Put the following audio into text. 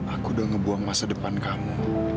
aku udah ngebuang masa depan kamu